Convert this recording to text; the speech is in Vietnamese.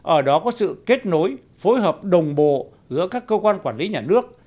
ở đó có sự kết nối phối hợp đồng bộ giữa các cơ quan quản lý nhà nước